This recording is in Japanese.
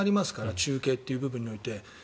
中継という部分において。